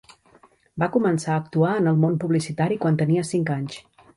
Va començar a actuar en el món publicitari quan tenia cinc anys.